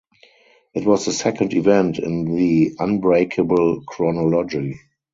It was the second event in the Unbreakable chronology.